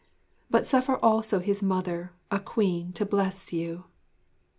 But suffer also his mother, a Queen, to bless you!'